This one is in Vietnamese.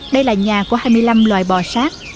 đây là nhà của hai mươi năm loài bò sát